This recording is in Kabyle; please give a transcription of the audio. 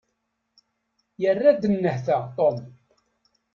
Yerra-d nnehta Tom.